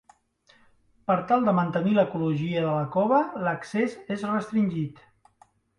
Per tal de mantenir l'ecologia de la cova, l'accés és restringit.